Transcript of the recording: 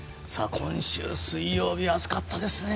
今週水曜日、暑かったですね。